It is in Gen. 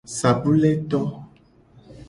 Sabule to.